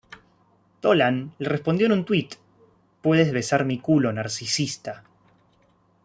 Dolan le respondió en un tweet: "Puedes besar mi culo narcisista".